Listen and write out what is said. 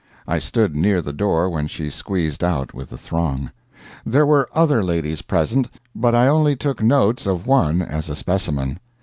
(I stood near the door when she squeezed out with the throng.) There were other ladies present, but I only took notes of one as a specimen.